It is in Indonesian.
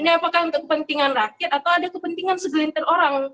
ini apakah untuk kepentingan rakyat atau ada kepentingan segelintir orang